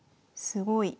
すごい。